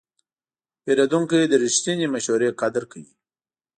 پیرودونکی د رښتینې مشورې قدر کوي.